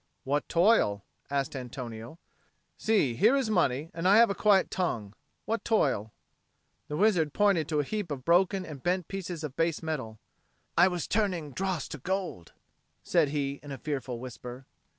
"What toil?" asked Antonio. "See, here is money, and I have a quiet tongue. What toil?" The wizard pointed to a heap of broken and bent pieces of base metal. "I was turning dross to gold," said he, in a fearful whisper.